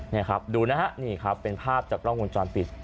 นี่ครับดูนะฮะนี่ครับเป็นภาพจากกล้องวงจรปิด